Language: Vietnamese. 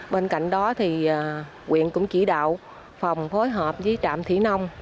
bên cạnh đó quyền cũng chỉ đạo phòng phối hợp với trạm thủy nông